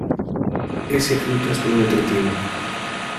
Ese fruto es muy nutritivo.